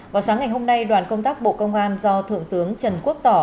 vào sáng ngày hôm nay đoàn công tác bộ công an do thượng tướng trần quốc tỏ